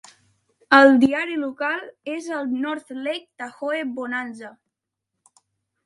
El diari local és el "North Lake Tahoe Bonanza".